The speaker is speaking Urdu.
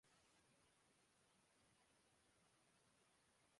ان کی صلاحیت میں کوئی اضافہ نہیں ہوتا اور وہ موت کےقریب ہوجاتے ہیں